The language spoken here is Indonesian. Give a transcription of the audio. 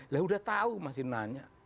lah udah tahu masih nanya